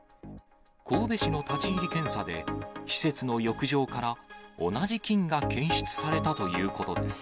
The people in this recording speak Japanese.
神戸市の立ち入り検査で、施設の浴場から同じ菌が検出されたということです。